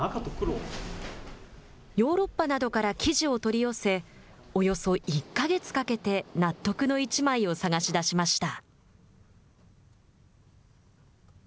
ヨーロッパなどから生地を取り寄せおよそ１か月かけて納得の１枚を探し出しました。